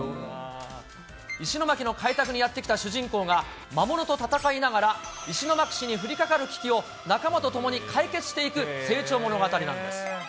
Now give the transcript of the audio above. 石巻の改革にやって来た主人公が、魔物と戦いながら、石巻市に降りかかる危機を仲間と共に解決していく成長物語なんです。